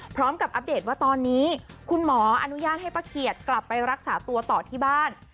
อัปเดตว่าตอนนี้คุณหมออนุญาตให้ป้าเกียจกลับไปรักษาตัวต่อที่บ้าน